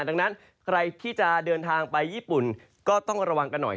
ดังนั้นใครที่จะเดินทางไปญี่ปุ่นก็ต้องระวังกันหน่อย